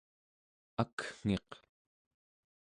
akngiq